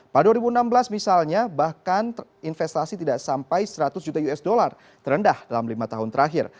pada dua ribu enam belas misalnya bahkan investasi tidak sampai seratus juta usd terendah dalam lima tahun terakhir